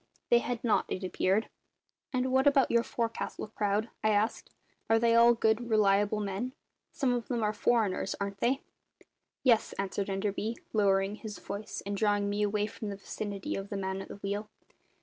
They had not, it appeared. "And what about your forecastle crowd?" I asked. "Are they all good, reliable men? Some of them are foreigners, aren't they?" "Yes," answered Enderby, lowering his voice and drawing me away from the vicinity of the man at the wheel.